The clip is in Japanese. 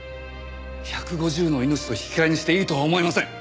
１５０の命と引き換えにしていいとは思えません！